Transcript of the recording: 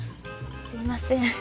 すいません。